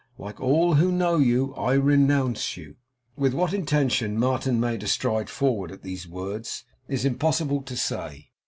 Like all who know you, I renounce you!' With what intention Martin made a stride forward at these words, it is impossible to say.